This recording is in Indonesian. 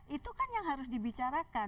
itu kan yang harus dibicarakan